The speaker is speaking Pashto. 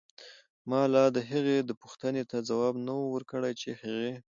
مالا دهغې دپو ښتنې ته ځواب نه و ورکړی چې هغې